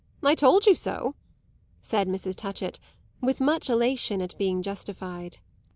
I told you so!" said Mrs. Touchett with much elation at being justified.